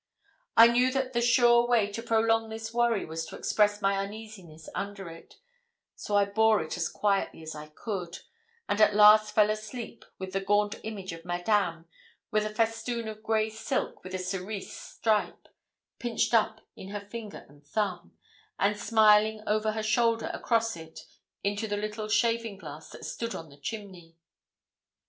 I knew that the sure way to prolong this worry was to express my uneasiness under it, so I bore it as quietly as I could; and at last fell fast asleep with the gaunt image of Madame, with a festoon of grey silk with a cerise stripe, pinched up in her finger and thumb, and smiling over her shoulder across it into the little shaving glass that stood on the chimney.